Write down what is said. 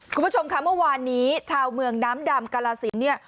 คุณผู้ชมค่ะเมื่อวานนี้ชาวเมืองน้ำดำกาลสินเนี่ย